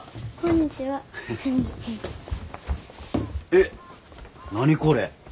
えっ何これ。